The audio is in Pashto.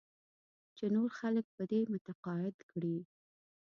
چې نور خلک په دې متقاعد کړې.